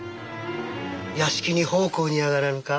屋敷に奉公に上がらぬか？